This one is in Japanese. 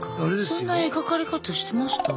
そんな描かれ方してました？